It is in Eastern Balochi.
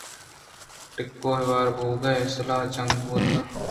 ٹکّ ءَ ہوار بُوئگے سَلاہ جنگ بُوئگءَ